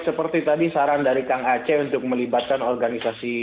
seperti tadi saran dari kang aceh untuk melibatkan organisasi